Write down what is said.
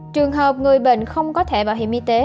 trường hợp người bệnh không có thẻ bảo hiểm y tế